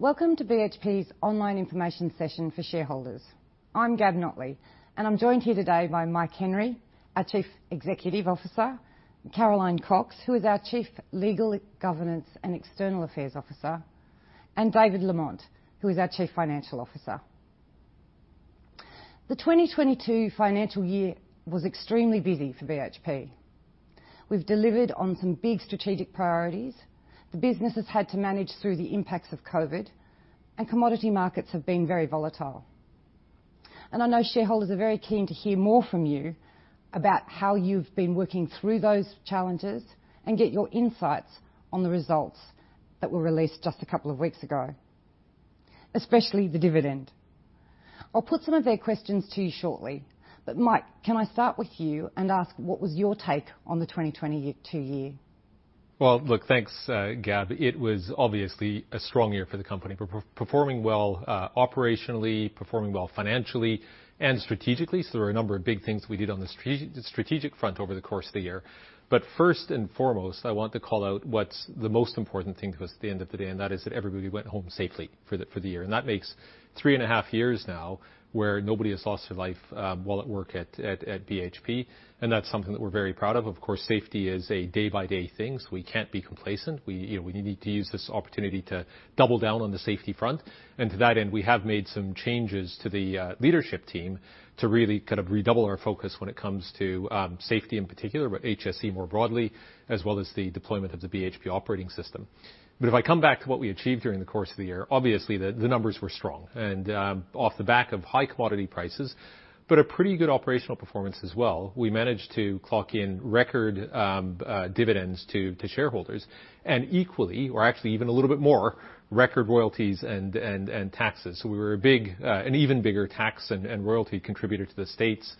Welcome to BHP's online information session for shareholders. I'm Gabrielle Notley, and I'm joined here today by Mike Henry, our Chief Executive Officer, Caroline Cox, who is our Chief Legal, Governance, and External Affairs Officer, and David Lamont, who is our Chief Financial Officer. The 2022 financial year was extremely busy for BHP. We've delivered on some big strategic priorities, the business has had to manage through the impacts of COVID, and commodity markets have been very volatile. I know shareholders are very keen to hear more from you about how you've been working through those challenges and get your insights on the results that were released just a couple of weeks ago, especially the dividend. I'll put some of their questions to you shortly. Mike, can I start with you and ask what was your take on the 2022 year? Well, look, thanks, Gab. It was obviously a strong year for the company. Performing well operationally, performing well financially and strategically. There were a number of big things we did on the strategic front over the course of the year. First and foremost, I want to call out what's the most important thing for us at the end of the day, and that is that everybody went home safely for the year. And that makes three and a half years now where nobody has lost their life while at work at BHP. And that's something that we're very proud of. Of course, safety is a day by day thing, so we can't be complacent. You know, we need to use this opportunity to double down on the safety front. To that end, we have made some changes to the leadership team to really kind of redouble our focus when it comes to safety in particular, but HSEC more broadly, as well as the deployment of the BHP operating system. If I come back to what we achieved during the course of the year, obviously, the numbers were strong and off the back of high commodity prices, but a pretty good operational performance as well. We managed to clock in record dividends to shareholders, and equally, or actually even a little bit more, record royalties and taxes. We were a big, an even bigger tax and royalty contributor to the States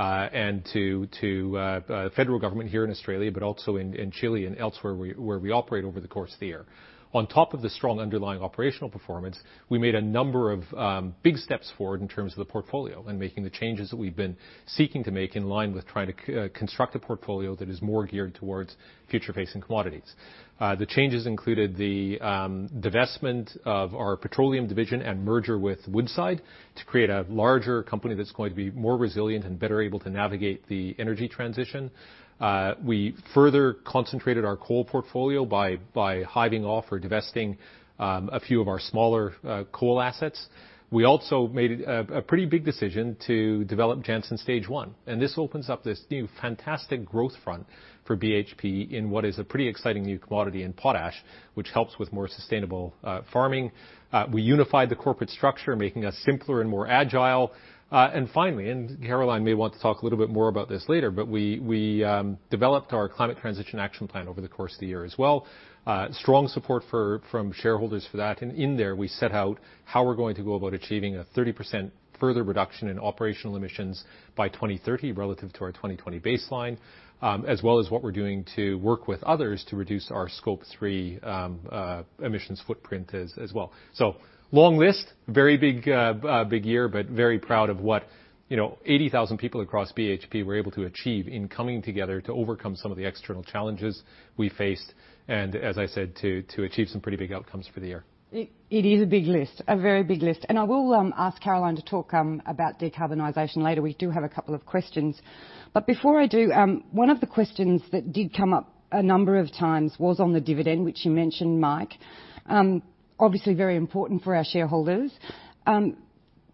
and to the federal government here in Australia, but also in Chile and elsewhere where we operate over the course of the year. On top of the strong underlying operational performance, we made a number of big steps forward in terms of the portfolio and making the changes that we've been seeking to make in line with trying to construct a portfolio that is more geared towards future-facing commodities. The changes included the divestment of our petroleum division and merger with Woodside to create a larger company that's going to be more resilient and better able to navigate the energy transition. We further concentrated our coal portfolio by hiving off or divesting a few of our smaller coal assets. We also made a pretty big decision to develop Jansen Stage One, and this opens up this new, fantastic growth front for BHP in what is a pretty exciting new commodity in potash, which helps with more sustainable farming. We unified the corporate structure, making us simpler and more agile. Finally, Caroline may want to talk a little bit more about this later, but we developed our Climate Transition Action Plan over the course of the year as well. Strong support from shareholders for that. In there, we set out how we're going to go about achieving a 30% further reduction in operational emissions by 2030 relative to our 2020 baseline, as well as what we're doing to work with others to reduce our Scope 3 emissions footprint as well. Long list, very big, big year, but very proud of what, you know, 80,000 people across BHP were able to achieve in coming together to overcome some of the external challenges we faced and, as I said, to achieve some pretty big outcomes for the year. It is a big list, a very big list. I will ask Caroline to talk about decarbonization later. We do have a couple of questions. Before I do, one of the questions that did come up a number of times was on the dividend, which you mentioned, Mike. Obviously very important for our shareholders.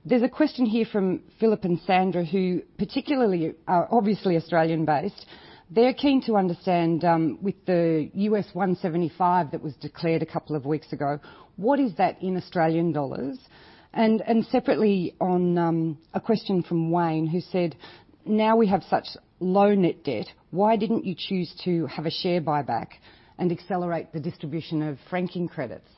There's a question here from Philip and Sandra, who particularly are obviously Australian-based. They're keen to understand, with the $175 that was declared a couple of weeks ago, what is that in Australian dollars? And separately on a question from Wayne who said, "Now we have such low net debt, why didn't you choose to have a share buyback and accelerate the distribution of franking credits?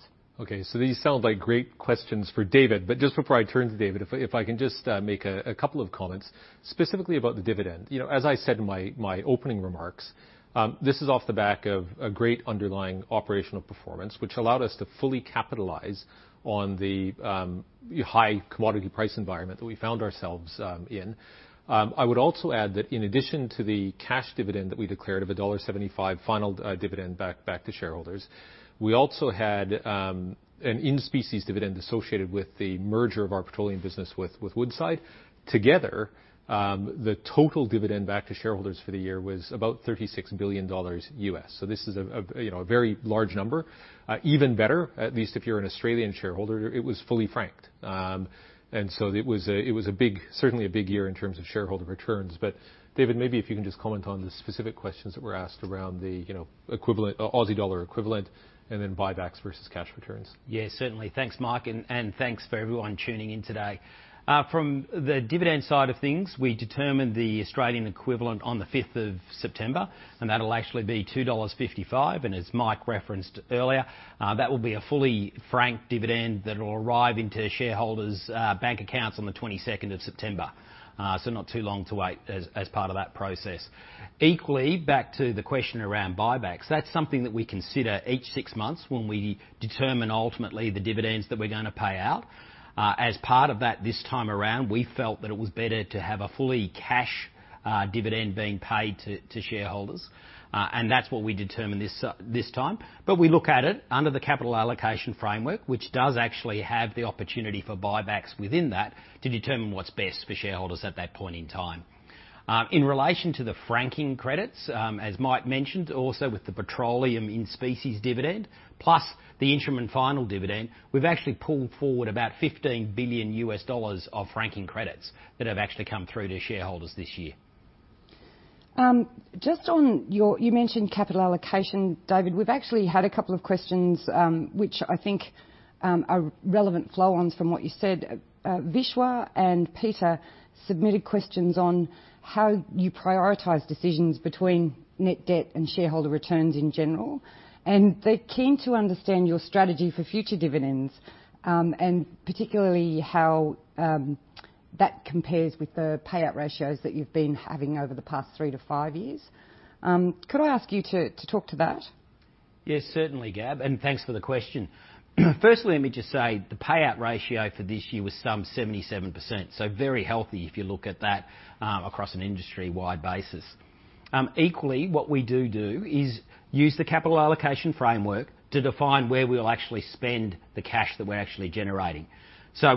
Okay. These sound like great questions for David. Just before I turn to David, if I can just make a couple of comments specifically about the dividend. You know, as I said in my opening remarks, this is off the back of a great underlying operational performance, which allowed us to fully capitalize on the high commodity price environment that we found ourselves in. I would also add that in addition to the cash dividend that we declared of $1.75 final dividend back to shareholders, we also had an in-specie dividend associated with the merger of our petroleum business with Woodside. Together, the total dividend back to shareholders for the year was about $36 billion. This is, you know, a very large number. Even better, at least if you're an Australian shareholder, it was fully franked. It was certainly a big year in terms of shareholder returns. David, maybe if you can just comment on the specific questions that were asked around the, you know, equivalent Aussie dollar equivalent, and then buybacks versus cash returns. Yeah, certainly. Thanks, Mike. Thanks for everyone tuning in today. From the dividend side of things, we determined the Australian equivalent on the fifth of September, and that'll actually be 2.55 dollars. As Mike referenced earlier, that will be a fully franked dividend that'll arrive into shareholders' bank accounts on the twenty-second of September. Not too long to wait as part of that process. Equally, back to the question around buybacks. That's something that we consider each six months when we determine ultimately the dividends that we're gonna pay out. As part of that, this time around, we felt that it was better to have a fully cash dividend being paid to shareholders. That's what we determined this time. We look at it under the Capital Allocation Framework, which does actually have the opportunity for buybacks within that to determine what's best for shareholders at that point in time. In relation to the franking credits, as Mike mentioned, also with the petroleum in-specie dividend, plus the interim and final dividend, we've actually pulled forward about $15 billion of franking credits that have actually come through to shareholders this year. You mentioned capital allocation, David. We've actually had a couple of questions, which I think are relevant flow-ons from what you said. Vishwa and Peter submitted questions on how you prioritize decisions between net debt and shareholder returns in general, and they're keen to understand your strategy for future dividends, and particularly how that compares with the payout ratios that you've been having over the past three to five years. Could I ask you to talk to that? Yes, certainly, Gab, and thanks for the question. Firstly, let me just say the payout ratio for this year was some 77%, so very healthy if you look at that across an industry-wide basis. Equally, what we do is use the Capital Allocation Framework to define where we'll actually spend the cash that we're actually generating.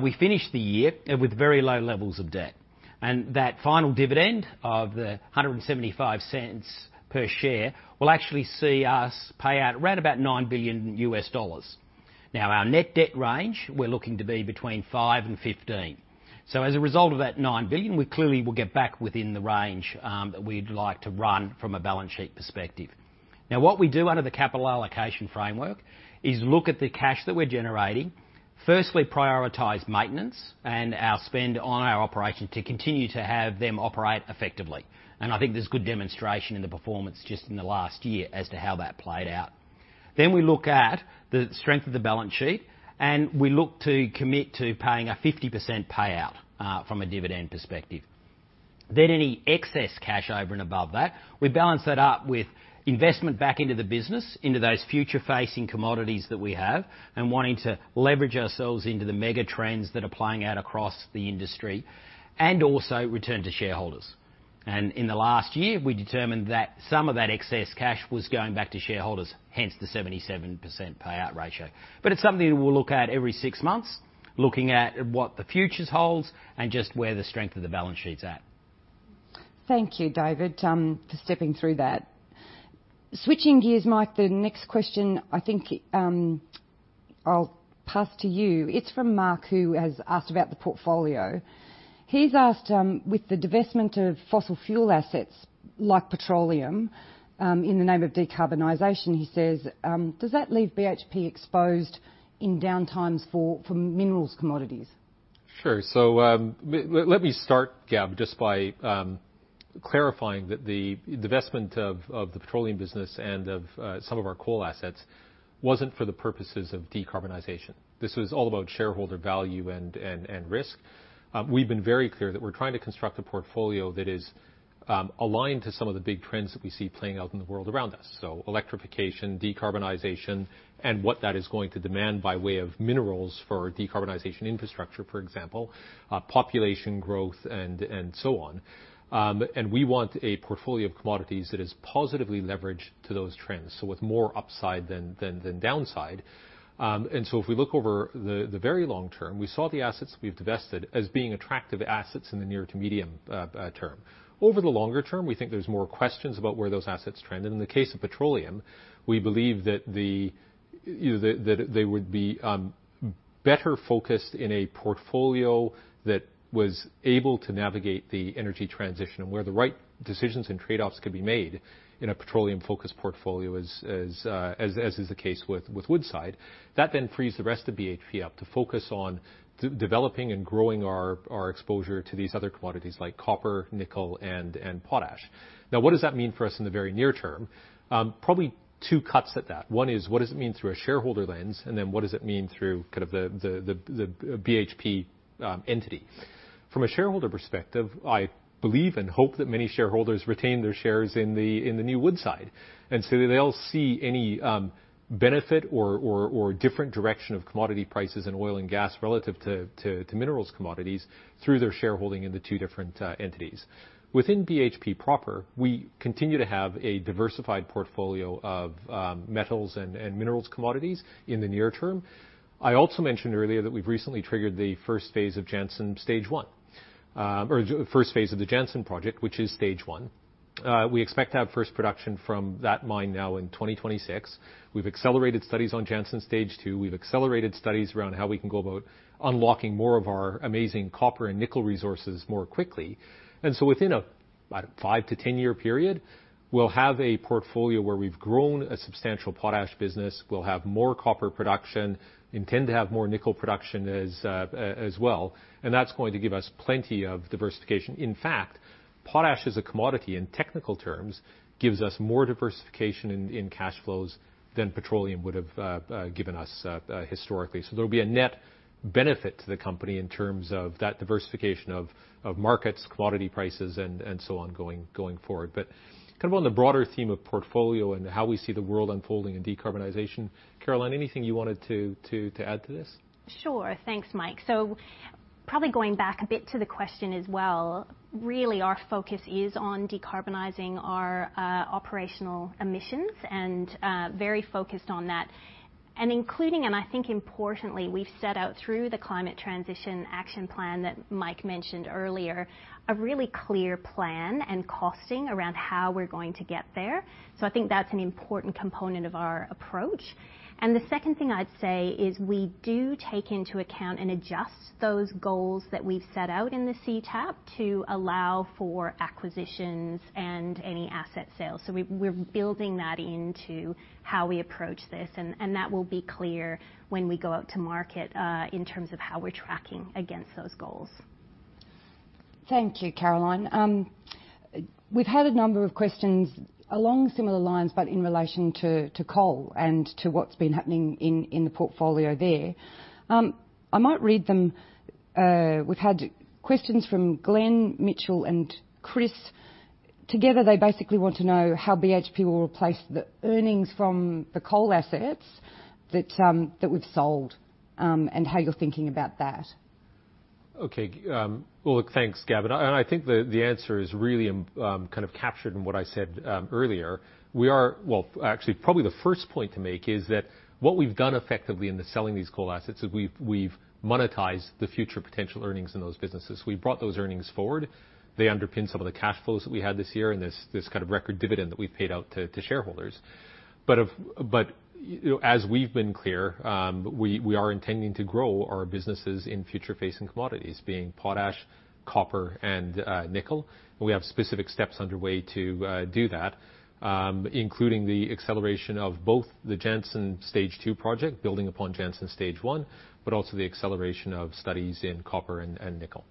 We finished the year with very low levels of debt, and that final dividend of $1.75 per share will actually see us pay out right about $9 billion. Now, our net debt range, we're looking to be between $5 billion and $15 billion. As a result of that $9 billion, we clearly will get back within the range that we'd like to run from a balance sheet perspective. Now, what we do under the Capital Allocation Framework is look at the cash that we're generating, firstly prioritize maintenance and our spend on our operation to continue to have them operate effectively. I think there's good demonstration in the performance just in the last year as to how that played out. We look at the strength of the balance sheet, and we look to commit to paying a 50% payout from a dividend perspective. Any excess cash over and above that, we balance that up with investment back into the business, into those future-facing commodities that we have and wanting to leverage ourselves into the mega trends that are playing out across the industry and also return to shareholders. In the last year, we determined that some of that excess cash was going back to shareholders, hence the 77% payout ratio. It's something that we'll look at every six months, looking at what the future holds and just where the strength of the balance sheet's at. Thank you, David, for stepping through that. Switching gears, Mike, the next question I think, I'll pass to you. It's from Mark, who has asked about the portfolio. He's asked, with the divestment of fossil fuel assets like petroleum, in the name of decarbonization, he says, "Does that leave BHP exposed in downtimes for minerals commodities? Sure. Let me start, Gab, just by clarifying that the divestment of the petroleum business and of some of our coal assets wasn't for the purposes of decarbonization. This was all about shareholder value and risk. We've been very clear that we're trying to construct a portfolio that is aligned to some of the big trends that we see playing out in the world around us. Electrification, decarbonization, and what that is going to demand by way of minerals for decarbonization infrastructure, for example, population growth and so on. We want a portfolio of commodities that is positively leveraged to those trends, so with more upside than downside. If we look over the very long term, we saw the assets we've divested as being attractive assets in the near to medium term. Over the longer term, we think there's more questions about where those assets trend. In the case of petroleum, we believe that you know that they would be better focused in a portfolio that was able to navigate the energy transition and where the right decisions and trade-offs could be made in a petroleum-focused portfolio as is the case with Woodside. That then frees the rest of BHP up to focus on developing and growing our exposure to these other commodities like copper, nickel and potash. Now, what does that mean for us in the very near term? Probably two cuts at that. One is what does it mean through a shareholder lens, and then what does it mean through kind of the BHP entity? From a shareholder perspective, I believe and hope that many shareholders retain their shares in the new Woodside, and so they'll see any benefit or different direction of commodity prices in oil and gas relative to minerals commodities through their shareholding in the two different entities. Within BHP proper, we continue to have a diversified portfolio of metals and minerals commodities in the near term. I also mentioned earlier that we've recently triggered the first phase of Jansen Stage One, first phase of the Jansen project, which is Stage One. We expect to have first production from that mine now in 2026. We've accelerated studies on Jansen Stage Two. We've accelerated studies around how we can go about unlocking more of our amazing copper and nickel resources more quickly. Within a, I don't know, 5-10-year period, we'll have a portfolio where we've grown a substantial potash business. We'll have more copper production, intend to have more nickel production as well, and that's going to give us plenty of diversification. In fact, potash as a commodity in technical terms gives us more diversification in cash flows than petroleum would have given us historically. There'll be a net benefit to the company in terms of that diversification of markets, commodity prices and so on going forward. Kind of on the broader theme of portfolio and how we see the world unfolding in decarbonization, Caroline, anything you wanted to add to this? Sure. Thanks, Mike. Probably going back a bit to the question as well, really our focus is on decarbonizing our operational emissions and very focused on that. Including, and I think importantly, we've set out through the Climate Transition Action Plan that Mike mentioned earlier, a really clear plan and costing around how we're going to get there. I think that's an important component of our approach. The second thing I'd say is we do take into account and adjust those goals that we've set out in the CTAP to allow for acquisitions and any asset sales. We're building that into how we approach this, and that will be clear when we go out to market in terms of how we're tracking against those goals. Thank you, Caroline. We've had a number of questions along similar lines in relation to coal and to what's been happening in the portfolio there. I might read them. We've had questions from Glenn, Mitchell, and Chris. Together, they basically want to know how BHP will replace the earnings from the coal assets that we've sold, and how you're thinking about that. Okay. Well, look, thanks, Gab. I think the answer is really kind of captured in what I said earlier. Well, actually, probably the first point to make is that what we've done effectively in selling these coal assets is we've monetized the future potential earnings in those businesses. We brought those earnings forward. They underpin some of the cash flows that we had this year and this kind of record dividend that we've paid out to shareholders. But, you know, as we've been clear, we are intending to grow our businesses in future-facing commodities, being potash, copper, and nickel. We have specific steps underway to do that, including the acceleration of both the Jansen Stage Two project, building upon Jansen Stage One, but also the acceleration of studies in copper and nickel.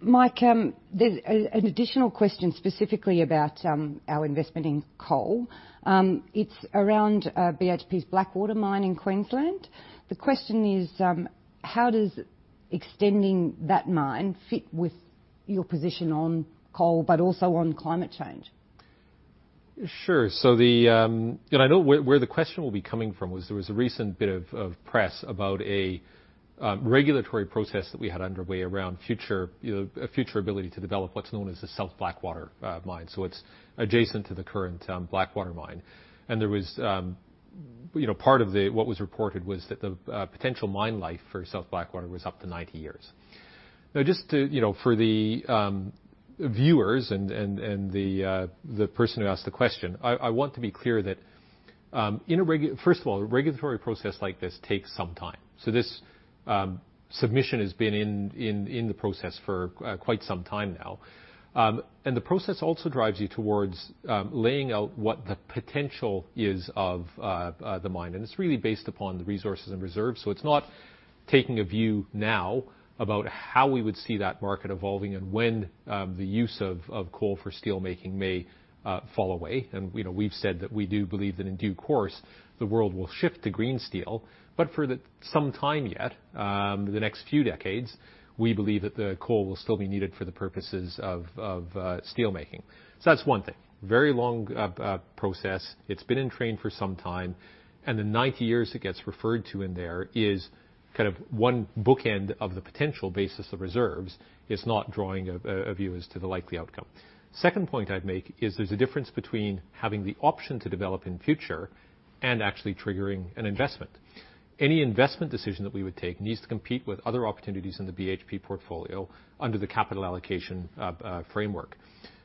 Mike, there's an additional question specifically about our investment in coal. It's around BHP's Blackwater mine in Queensland. The question is, how does extending that mine fit with your position on coal, but also on climate change? Sure. I know where the question will be coming from. There was a recent bit of press about a regulatory protest that we had underway around future, you know, a future ability to develop what's known as the South Blackwater mine. It's adjacent to the current Blackwater mine. There was, you know, part of the, what was reported was that the potential mine life for South Blackwater was up to 90 years. Now, just to, you know, for the viewers and the person who asked the question, I want to be clear that First of all, a regulatory process like this takes some time. This submission has been in the process for quite some time now. The process also drives you towards laying out what the potential is of the mine, and it's really based upon the resources and reserves. It's not taking a view now about how we would see that market evolving and when the use of coal for steel making may fall away. You know, we've said that we do believe that in due course, the world will shift to green steel. For some time yet, the next few decades, we believe that the coal will still be needed for the purposes of steel making. That's one thing. Very long process. It's been in train for some time, and the 90 years it gets referred to in there is kind of one bookend of the potential basis of reserves. It's not drawing a view as to the likely outcome. Second point I'd make is there's a difference between having the option to develop in future and actually triggering an investment. Any investment decision that we would take needs to compete with other opportunities in the BHP portfolio under the Capital Allocation Framework.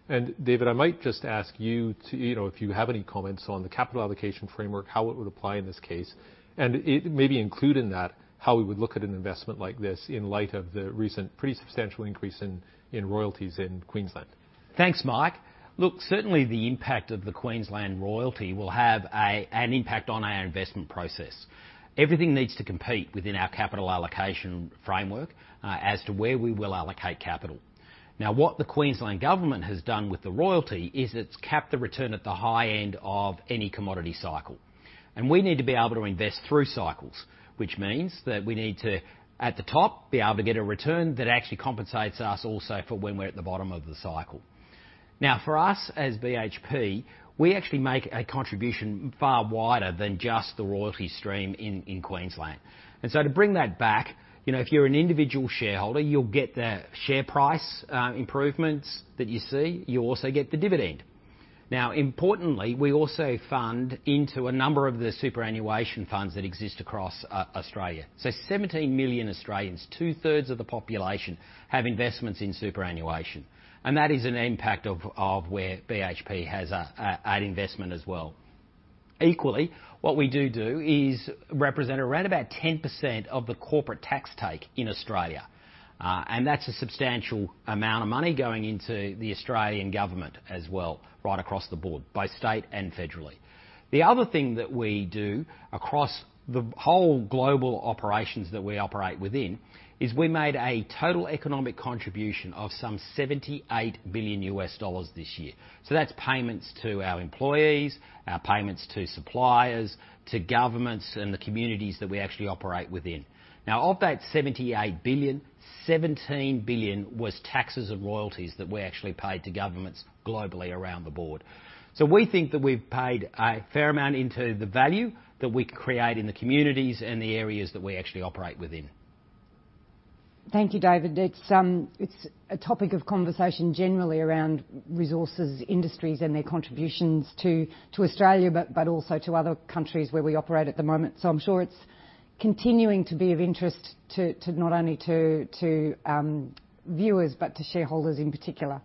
David, I might just ask you to, if you have any comments on the Capital Allocation Framework, how it would apply in this case, and maybe include in that how we would look at an investment like this in light of the recent pretty substantial increase in royalties in Queensland. Thanks, Mike. Look, certainly the impact of the Queensland royalty will have an impact on our investment process. Everything needs to compete within our Capital Allocation Framework, as to where we will allocate capital. Now, what the Queensland government has done with the royalty is, it's capped the return at the high end of any commodity cycle. We need to be able to invest through cycles, which means that we need to, at the top, be able to get a return that actually compensates us also for when we're at the bottom of the cycle. Now, for us, as BHP, we actually make a contribution far wider than just the royalty stream in Queensland. To bring that back, you know, if you're an individual shareholder, you'll get the share price improvements that you see. You also get the dividend. Now, importantly, we also fund into a number of the superannuation funds that exist across Australia. 17 million Australians, two-thirds of the population, have investments in superannuation. That is an impact of where BHP has an investment as well. Equally, what we do is represent around about 10% of the corporate tax take in Australia. That's a substantial amount of money going into the Australian government as well, right across the board, both state and federally. The other thing that we do across the whole global operations that we operate within is we made a total economic contribution of some $78 billion this year. That's payments to our employees, our payments to suppliers, to governments, and the communities that we actually operate within. Now, of that $78 billion, $17 billion was taxes and royalties that we actually paid to governments globally around the board. We think that we've paid a fair amount into the value that we create in the communities and the areas that we actually operate within. Thank you, David. It's a topic of conversation generally around resources, industries, and their contributions to Australia, but also to other countries where we operate at the moment. I'm sure it's continuing to be of interest to not only viewers, but to shareholders in particular.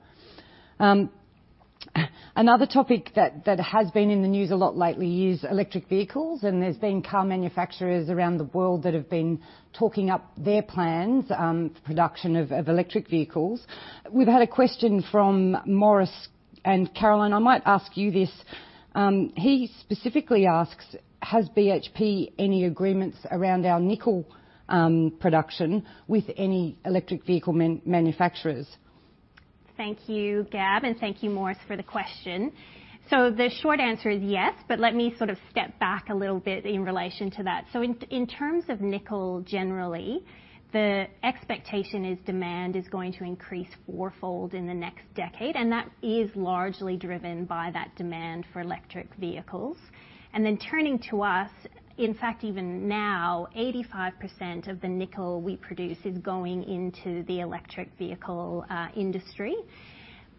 Another topic that has been in the news a lot lately is electric vehicles, and there's been car manufacturers around the world that have been talking up their plans for production of electric vehicles. We've had a question from Morris, and Caroline, I might ask you this. He specifically asks, "Has BHP any agreements around our nickel production with any electric vehicle manufacturers? Thank you, Gab, and thank you, Morris, for the question. The short answer is yes, but let me sort of step back a little bit in relation to that. In terms of nickel, generally, the expectation is demand is going to increase fourfold in the next decade, and that is largely driven by that demand for electric vehicles. Then turning to us, in fact, even now, 85% of the nickel we produce is going into the electric vehicle industry.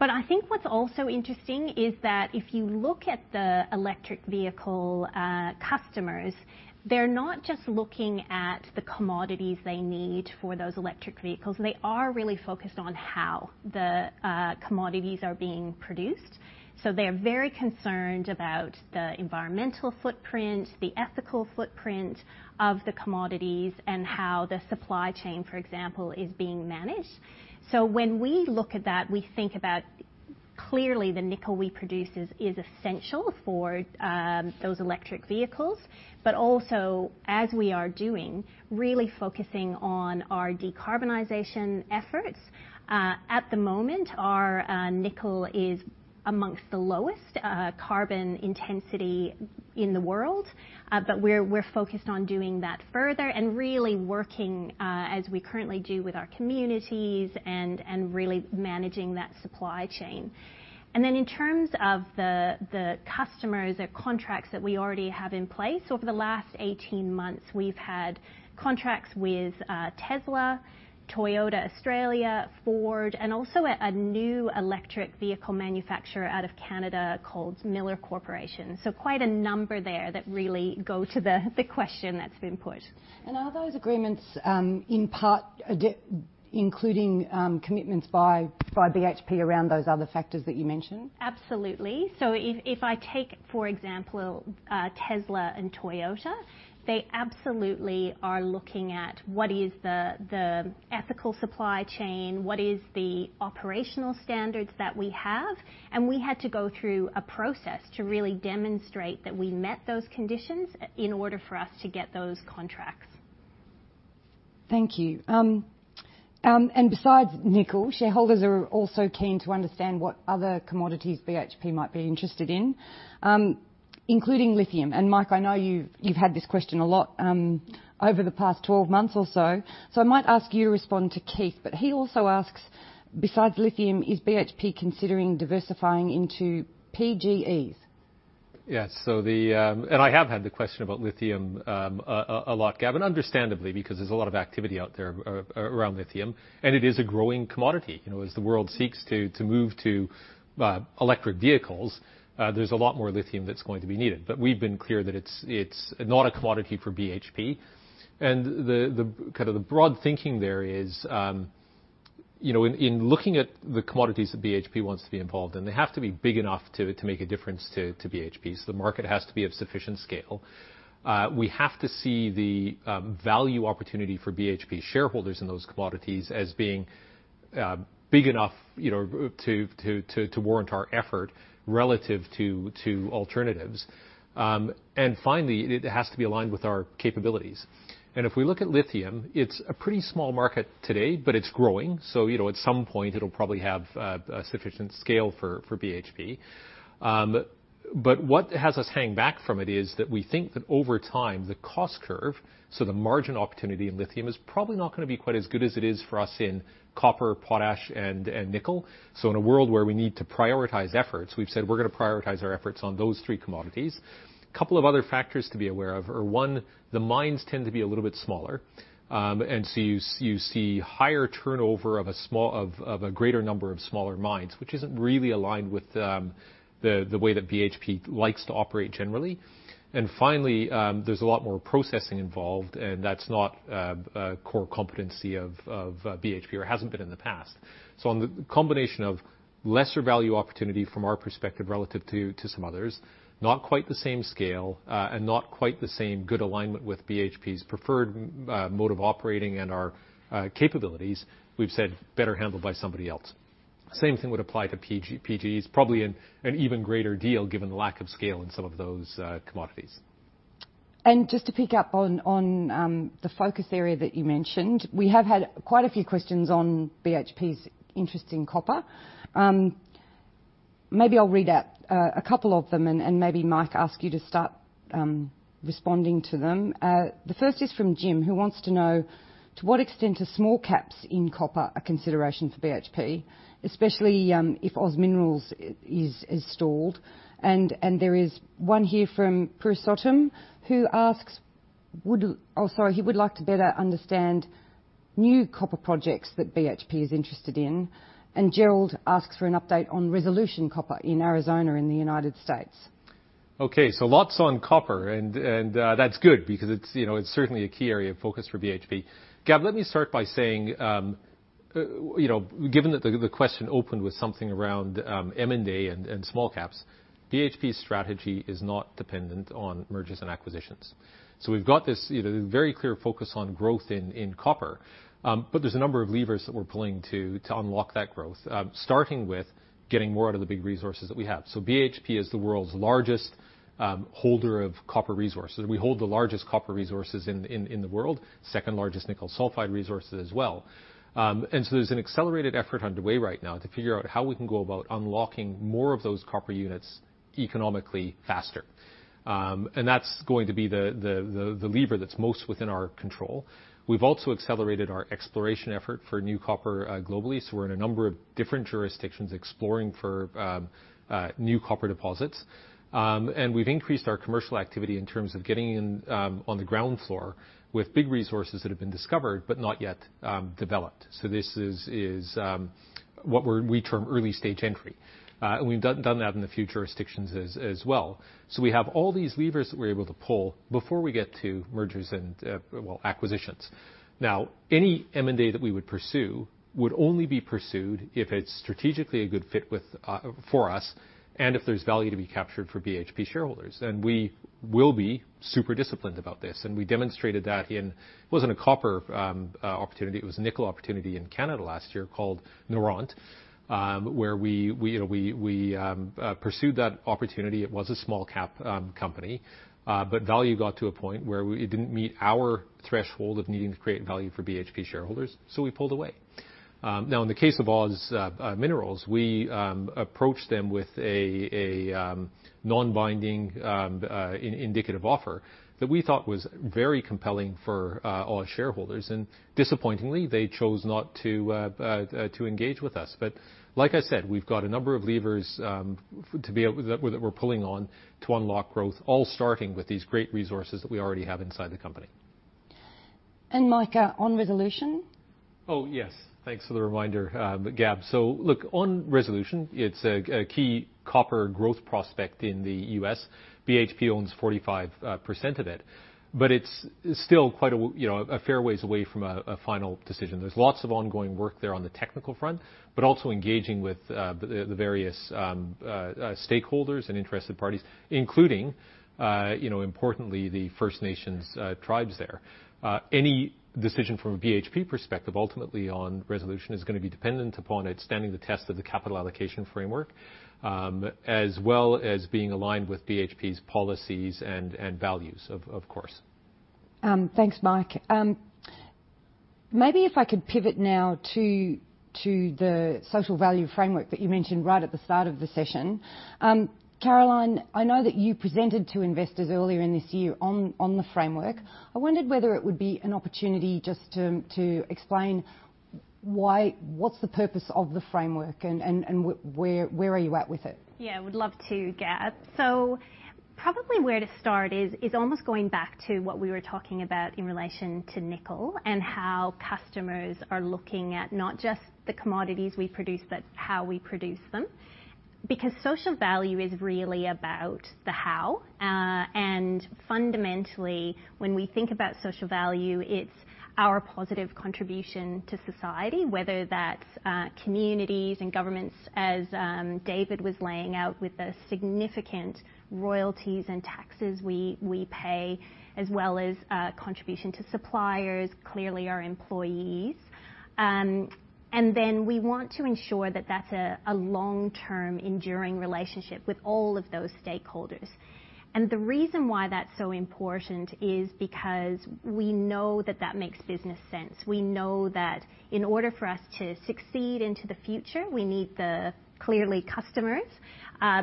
I think what's also interesting is that if you look at the electric vehicle customers, they're not just looking at the commodities they need for those electric vehicles. They are really focused on how the commodities are being produced. They're very concerned about the environmental footprint, the ethical footprint of the commodities, and how the supply chain, for example, is being managed. When we look at that, we think about clearly the nickel we produce is essential for those electric vehicles. Also, as we are doing, really focusing on our decarbonization efforts. At the moment, our nickel is among the lowest carbon intensity in the world. We're focused on doing that further and really working as we currently do with our communities and really managing that supply chain. Then in terms of the customers or contracts that we already have in place, over the last 18 months, we've had contracts with Tesla, Toyota Australia, Ford, and also a new electric vehicle manufacturer out of Canada called Miller Technology. Quite a number there that really go to the question that's been put. Are those agreements, in part including, commitments by BHP around those other factors that you mentioned? Absolutely. If I take, for example, Tesla and Toyota, they absolutely are looking at what is the ethical supply chain, what is the operational standards that we have, and we had to go through a process to really demonstrate that we met those conditions in order for us to get those contracts. Thank you. Besides nickel, shareholders are also keen to understand what other commodities BHP might be interested in, including lithium. Mike, I know you've had this question a lot over the past twelve months or so I might ask you to respond to Keith. He also asks, "Besides lithium, is BHP considering diversifying into PGEs? Yes. I have had the question about lithium a lot, Gab, and understandably, because there's a lot of activity out there around lithium, and it is a growing commodity. You know, as the world seeks to move to electric vehicles, there's a lot more lithium that's going to be needed. But we've been clear that it's not a commodity for BHP. The kind of the broad thinking there is, you know, in looking at the commodities that BHP wants to be involved in, they have to be big enough to make a difference to BHP. The market has to be of sufficient scale. We have to see the value opportunity for BHP shareholders in those commodities as being big enough, you know, to warrant our effort relative to alternatives. Finally, it has to be aligned with our capabilities. If we look at lithium, it's a pretty small market today, but it's growing, so you know, at some point, it'll probably have sufficient scale for BHP. But what has us hanging back from it is that we think that over time, the cost curve, so the margin opportunity in lithium, is probably not gonna be quite as good as it is for us in copper, potash, and nickel. In a world where we need to prioritize efforts, we've said we're gonna prioritize our efforts on those three commodities. couple of other factors to be aware of are one, the mines tend to be a little bit smaller. You see higher turnover of a greater number of smaller mines, which isn't really aligned with the way that BHP likes to operate generally. Finally, there's a lot more processing involved, and that's not a core competency of BHP, or hasn't been in the past. On the combination of lesser value opportunity from our perspective relative to some others, not quite the same scale, and not quite the same good alignment with BHP's preferred mode of operating and our capabilities, we've said better handled by somebody else. Same thing would apply to PGEs, probably an even greater deal given the lack of scale in some of those commodities. Just to pick up on the focus area that you mentioned, we have had quite a few questions on BHP's interest in copper. Maybe I'll read out a couple of them and maybe, Mike, ask you to start responding to them. The first is from Jim, who wants to know: To what extent are small caps in copper a consideration for BHP, especially if OZ Minerals is stalled? There is one here from Purshottam who asks. He would like to better understand new copper projects that BHP is interested in. Gerald asks for an update on Resolution Copper in Arizona in the United States. Okay, lots on copper and that's good because it's, you know, it's certainly a key area of focus for BHP. Gab, let me start by saying, you know, given that the question opened with something around, M&A and small caps, BHP's strategy is not dependent on mergers and acquisitions. We've got this, you know, very clear focus on growth in copper. There's a number of levers that we're pulling to unlock that growth. Starting with getting more out of the big resources that we have. BHP is the world's largest holder of copper resources. We hold the largest copper resources in the world, second-largest nickel sulfide resources as well. There's an accelerated effort underway right now to figure out how we can go about unlocking more of those copper units economically faster. That's going to be the lever that's most within our control. We've also accelerated our exploration effort for new copper globally, so we're in a number of different jurisdictions exploring for new copper deposits. We've increased our commercial activity in terms of getting in on the ground floor with big resources that have been discovered, but not yet developed. This is what we term early stage entry. We've done that in a few jurisdictions as well. We have all these levers that we're able to pull before we get to mergers and well, acquisitions. Now, any M&A that we would pursue would only be pursued if it's strategically a good fit with for us, and if there's value to be captured for BHP shareholders. We will be super disciplined about this, and we demonstrated that in it wasn't a copper opportunity, it was a nickel opportunity in Canada last year called Noront, where we, you know, pursued that opportunity. It was a small cap company, but value got to a point where it didn't meet our threshold of needing to create value for BHP shareholders, so we pulled away. Now, in the case of OZ Minerals, we approached them with a non-binding indicative offer that we thought was very compelling for OZ shareholders. Disappointingly, they chose not to engage with us. Like I said, we've got a number of levers that we're pulling on to unlock growth, all starting with these great resources that we already have inside the company. Mike, on Resolution? Oh, yes. Thanks for the reminder, Gab. Look, on Resolution, it's a key copper growth prospect in the US. BHP owns 45% of it. But it's still quite a, you know, fair ways away from a final decision. There's lots of ongoing work there on the technical front, but also engaging with the various stakeholders and interested parties, including, you know, importantly, the First Nations tribes there. Any decision from a BHP perspective ultimately on Resolution is gonna be dependent upon it standing the test of the Capital Allocation Framework, as well as being aligned with BHP's policies and values, of course. Thanks, Mike. Maybe if I could pivot now to the social value framework that you mentioned right at the start of the session. Caroline, I know that you presented to investors earlier in this year on the framework. I wondered whether it would be an opportunity just to explain why, what's the purpose of the framework and where are you at with it? Yeah, would love to, Gab. Probably where to start is almost going back to what we were talking about in relation to nickel and how customers are looking at not just the commodities we produce, but how we produce them. Because social value is really about the how. Fundamentally, when we think about social value, it's our positive contribution to society, whether that's communities and governments as David was laying out with the significant royalties and taxes we pay, as well as contribution to suppliers, clearly our employees. Then we want to ensure that that's a long-term enduring relationship with all of those stakeholders. The reason why that's so important is because we know that that makes business sense. We know that in order for us to succeed into the future, we need the, clearly customers.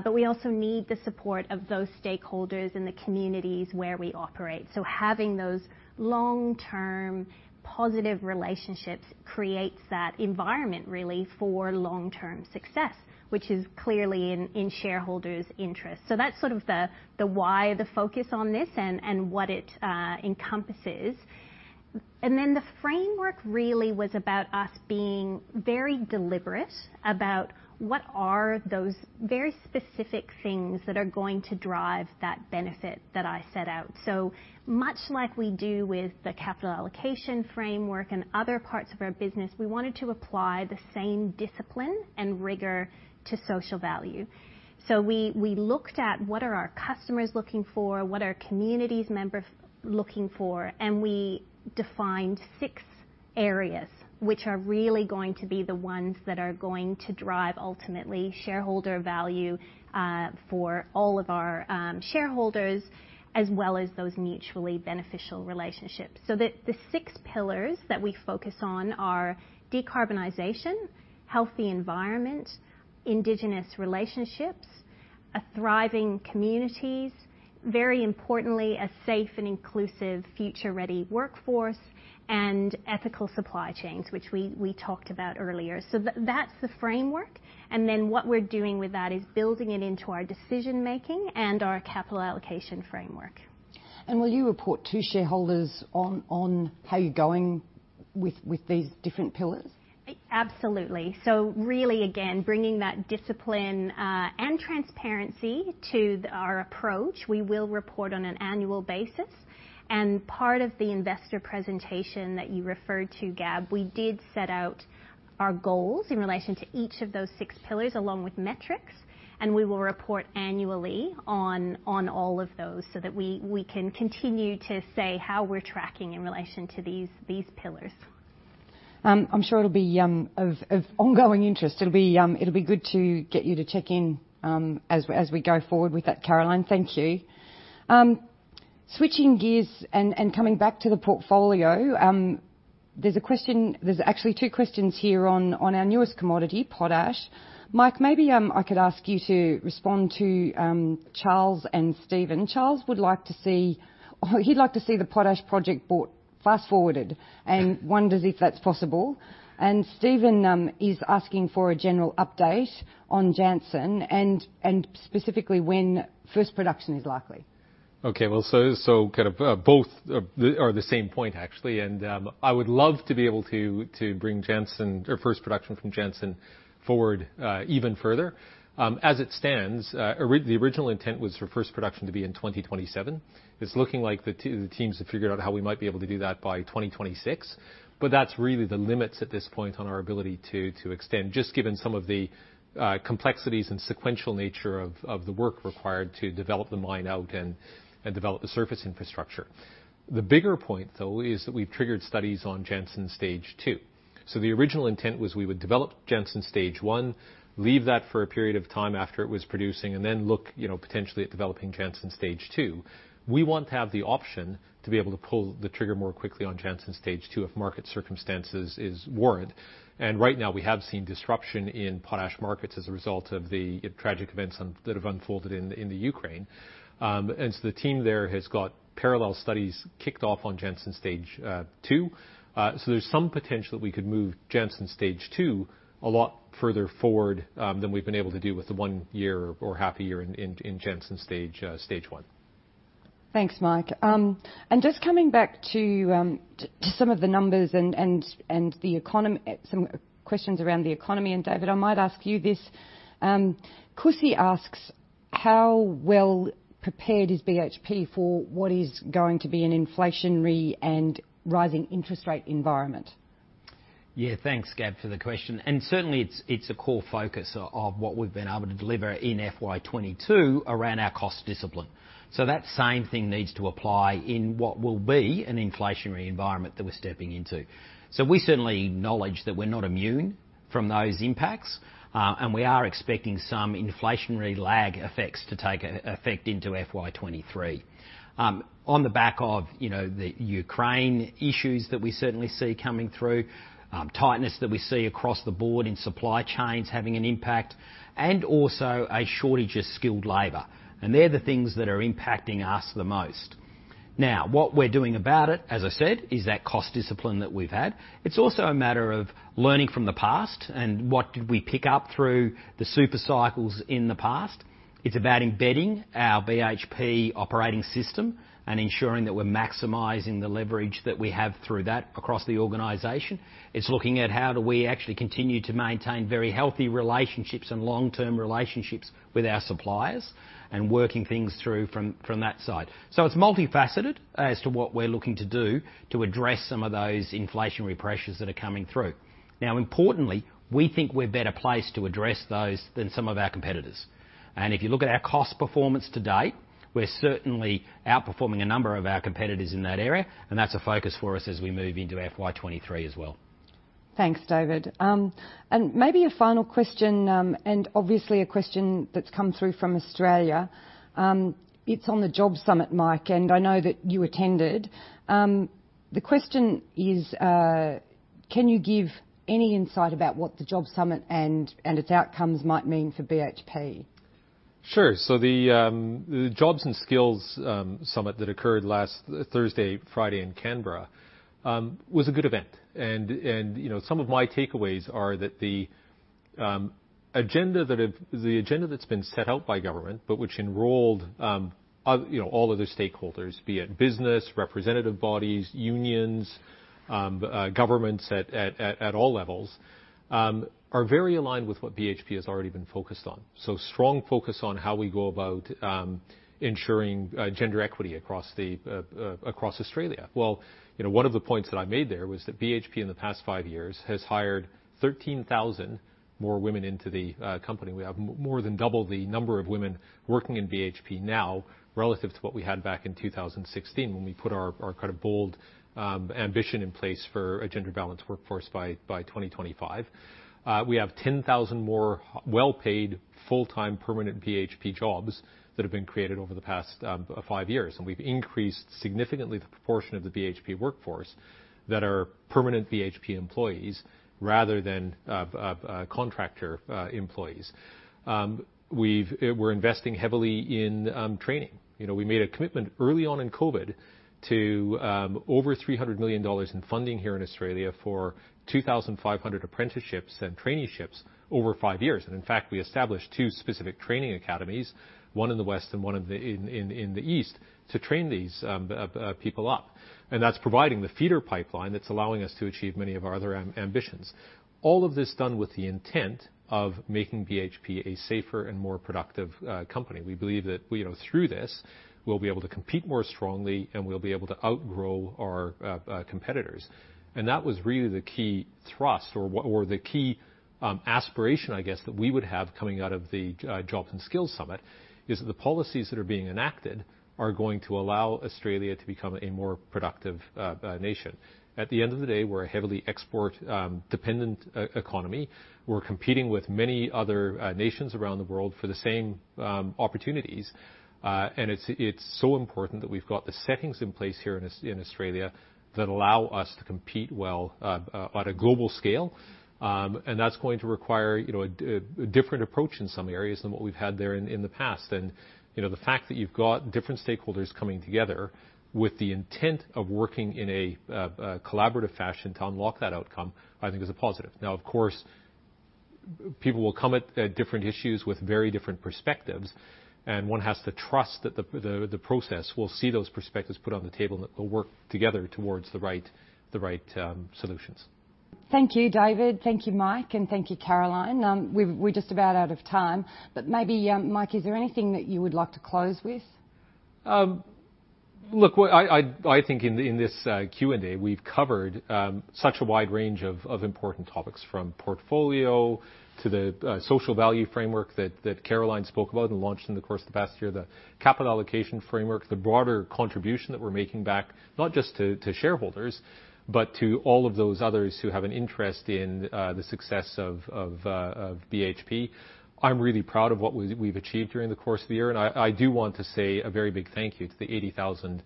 We also need the support of those stakeholders in the communities where we operate. Having those long-term positive relationships creates that environment really for long-term success, which is clearly in shareholders' interests. That's sort of the why the focus on this and what it encompasses. Then the framework really was about us being very deliberate about what are those very specific things that are going to drive that benefit that I set out. Much like we do with the Capital Allocation Framework and other parts of our business, we wanted to apply the same discipline and rigor to social value. We looked at what our customers are looking for, what communities members are looking for, and we defined six areas which are really going to be the ones that are going to drive ultimately shareholder value for all of our shareholders, as well as those mutually beneficial relationships. The six pillars that we focus on are decarbonization, healthy environment, indigenous relationships, thriving communities, very importantly, a safe and inclusive future-ready workforce, and ethical supply chains, which we talked about earlier. That's the framework. Then what we're doing with that is building it into our decision-making and our Capital Allocation Framework. Will you report to shareholders on how you're going with these different pillars? Absolutely. Really, again, bringing that discipline and transparency to our approach. We will report on an annual basis. Part of the investor presentation that you referred to, Gab, we did set out our goals in relation to each of those six pillars, along with metrics, and we will report annually on all of those so that we can continue to say how we're tracking in relation to these pillars. I'm sure it'll be of ongoing interest. It'll be good to get you to check in, as we go forward with that, Caroline. Thank you. Switching gears and coming back to the portfolio, there's a question. There's actually two questions here on our newest commodity, potash. Mike, maybe I could ask you to respond to Charles and Steven. Charles would like to see. He'd like to see the potash project brought fast-forwarded. Yeah wonders if that's possible. Steven is asking for a general update on Jansen, and specifically, when first production is likely. Okay. Well, kind of both are the same point, actually. I would love to be able to bring Jansen or first production from Jansen forward even further. As it stands, the original intent was for first production to be in 2027. It's looking like the teams have figured out how we might be able to do that by 2026, but that's really the limits at this point on our ability to extend, just given some of the complexities and sequential nature of the work required to develop the mine out and develop the surface infrastructure. The bigger point though is that we've triggered studies on Jansen Stage Two. The original intent was we would develop Jansen Stage One, leave that for a period of time after it was producing, and then look, you know, potentially at developing Jansen Stage Two. We want to have the option to be able to pull the trigger more quickly on Jansen Stage Two if market circumstances warrant. Right now, we have seen disruption in potash markets as a result of the tragic events that have unfolded in the Ukraine. The team there has got parallel studies kicked off on Jansen Stage Two. There's some potential that we could move Jansen Stage Two a lot further forward than we've been able to do with the one year or half a year in Jansen Stage One. Thanks, Mike. Just coming back to some of the numbers. Some questions around the economy, and David, I might ask you this. Cussy asks, "How well prepared is BHP for what is going to be an inflationary and rising interest rate environment? Yeah, thanks, Gab, for the question. Certainly it's a core focus of what we've been able to deliver in FY22 around our cost discipline. That same thing needs to apply in what will be an inflationary environment that we're stepping into. We certainly acknowledge that we're not immune from those impacts. We are expecting some inflationary lag effects to take effect into FY23, on the back of, you know, the Ukraine issues that we certainly see coming through, tightness that we see across the board in supply chains having an impact, and also a shortage of skilled labor. They're the things that are impacting us the most. Now, what we're doing about it, as I said, is that cost discipline that we've had. It's also a matter of learning from the past and what did we pick up through the super cycles in the past. It's about embedding our BHP Operating System and ensuring that we're maximizing the leverage that we have through that across the organization. It's looking at how do we actually continue to maintain very healthy relationships and long-term relationships with our suppliers and working things through from that side. So it's multifaceted as to what we're looking to do to address some of those inflationary pressures that are coming through. Now, importantly, we think we're better placed to address those than some of our competitors. If you look at our cost performance to date, we're certainly outperforming a number of our competitors in that area, and that's a focus for us as we move into FY23 as well. Thanks, David. Maybe a final question, obviously a question that's come through from Australia, it's on the Jobs Summit, Mike, and I know that you attended. The question is, can you give any insight about what the Jobs Summit and its outcomes might mean for BHP? Sure. The Jobs and Skills Summit that occurred last Thursday, Friday in Canberra was a good event. You know, some of my takeaways are that the agenda that's been set out by government, but which involves other, you know, all other stakeholders, be it business, representative bodies, unions, governments at all levels, are very aligned with what BHP has already been focused on. Strong focus on how we go about ensuring gender equity across Australia. Well, you know, one of the points that I made there was that BHP in the past five years has hired 13,000 more women into the company. We have more than double the number of women working in BHP now relative to what we had back in 2016 when we put our kind of bold ambition in place for a gender balanced workforce by 2025. We have 10,000 more well-paid, full-time, permanent BHP jobs that have been created over the past five years, and we've increased significantly the proportion of the BHP workforce that are permanent BHP employees rather than contractor employees. We're investing heavily in training. You know, we made a commitment early on in COVID to over $300 million in funding here in Australia for 2,500 apprenticeships and traineeships over five years. In fact, we established two specific training academies, one in the west and one in the east, to train these people up. That's providing the feeder pipeline that's allowing us to achieve many of our other ambitions. All of this done with the intent of making BHP a safer and more productive company. We believe that, you know, through this, we'll be able to compete more strongly, and we'll be able to outgrow our competitors. That was really the key thrust or the key aspiration, I guess, that we would have coming out of the Jobs and Skills Summit, is that the policies that are being enacted are going to allow Australia to become a more productive nation. At the end of the day, we're a heavily export dependent economy. We're competing with many other nations around the world for the same opportunities. It's so important that we've got the settings in place here in Australia that allow us to compete well at a global scale. That's going to require, you know, a different approach in some areas than what we've had there in the past. You know, the fact that you've got different stakeholders coming together with the intent of working in a collaborative fashion to unlock that outcome, I think is a positive. Now, of course, people will come at different issues with very different perspectives, and one has to trust that the process will see those perspectives put on the table and that they'll work together towards the right solutions. Thank you, David. Thank you, Mike. Thank you, Caroline. We're just about out of time. Maybe, Mike, is there anything that you would like to close with? Look, what I think in this Q&A, we've covered such a wide range of important topics from portfolio to the Social Value Framework that Caroline spoke about and launched in the course of the past year. The Capital Allocation Framework. The broader contribution that we're making back, not just to shareholders, but to all of those others who have an interest in the success of BHP. I'm really proud of what we've achieved during the course of the year, and I do want to say a very big thank you to the 80,000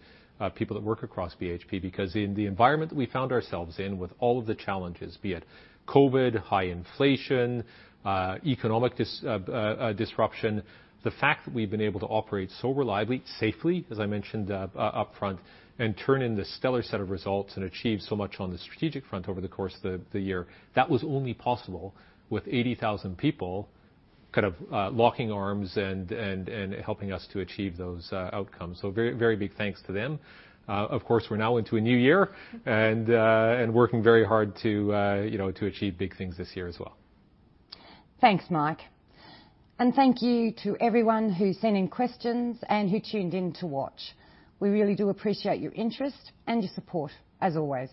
people that work across BHP, because in the environment that we found ourselves in with all of the challenges, be it COVID, high inflation, economic disruption. The fact that we've been able to operate so reliably, safely, as I mentioned, upfront, and turn in this stellar set of results and achieve so much on the strategic front over the course of the year. That was only possible with 80,000 people kind of locking arms and helping us to achieve those outcomes. Very, very big thanks to them. Of course, we're now into a new year and working very hard to, you know, to achieve big things this year as well. Thanks, Mike. Thank you to everyone who sent in questions and who tuned in to watch. We really do appreciate your interest and your support as always.